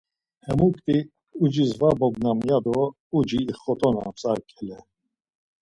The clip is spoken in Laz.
Hemukti, Ucis var bognam ya do uci ixit̆onams ar ǩele.